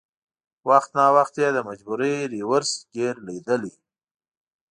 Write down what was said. وخت ناوخت یې د مجبورۍ رېورس ګیر لېدلی.